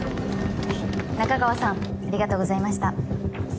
中川さんありがとうございました